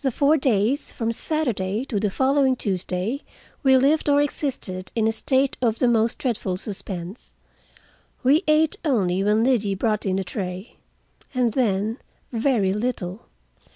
The four days, from Saturday to the following Tuesday, we lived, or existed, in a state of the most dreadful suspense. We ate only when Liddy brought in a tray, and then very little.